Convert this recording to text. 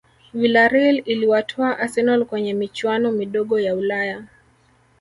Vilareal iliwatoa arsenal kwenye michuano midogo ya ulaya